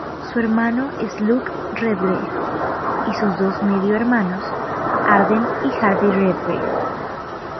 Su hermano es Luke Redgrave y sus dos medio hermanos Arden y Harvey Redgrave.